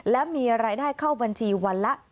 และมีรายได้เข้าบัญชีวันละ